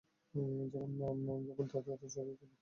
যেমন তাদের এবং তাদের শরীয়তেও বিকৃতি ঘটলো।